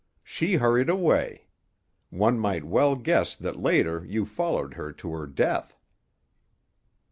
She hurried away. One might well guess that later you followed her to her death."